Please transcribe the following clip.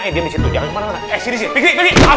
eh sini sini fikri